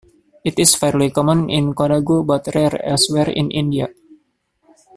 It is fairly common in Kodagu, but rare elsewhere in India.